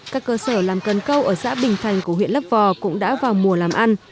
các cơ sở làm cần câu ở xã bình thành của huyện lấp vò cũng đã vào mùa làm ăn